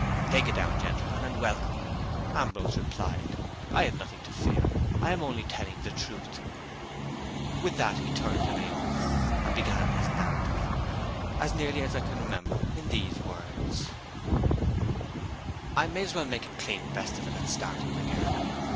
"Take it down, gentlemen, and welcome," Ambrose replied. "I have nothing to fear; I am only telling the truth." With that he turned to Naomi, and began his narrative, as nearly as I can remember, in these words: "I may as well make a clean breast of it at starting, my girl.